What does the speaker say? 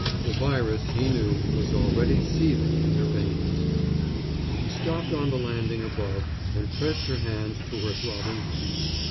The virus, he knew, was already seething in her veins. She stopped on the landing above and pressed her hand to her throbbing heart.